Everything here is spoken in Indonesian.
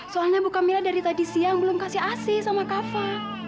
soalnya bu kamilah dari tadi siang belum kasih asih sama kava